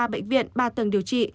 ba bệnh viện ba tầng điều trị